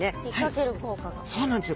そうなんですよ。